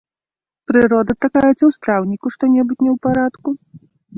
Прырода такая ці ў страўніку што-небудзь не ў парадку?